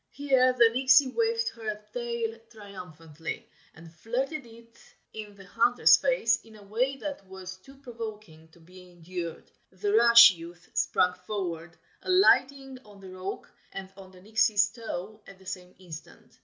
Here the Nixie waved her tail triumphantly, and flirted it in the hunter's face in a way that was too provoking to be endured. The rash youth sprang forward, alighting on the rock and on the Nixie's toe at the same instant.